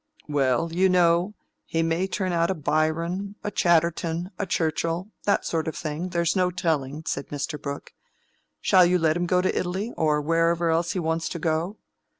"Well, you know, he may turn out a Byron, a Chatterton, a Churchill—that sort of thing—there's no telling," said Mr. Brooke. "Shall you let him go to Italy, or wherever else he wants to go?"